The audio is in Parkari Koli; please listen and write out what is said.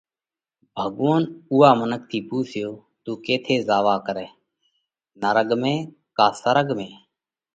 ڀڳوونَ اُوئا منک ٿِي پُونسيو: تُون ڪيٿئہ زاوَوا ڪرئه؟ نرڳ ۾ ڪا سرڳ ۾۔